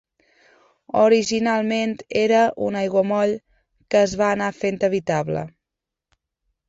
Originalment era un aiguamoll que es va anar fent habitable.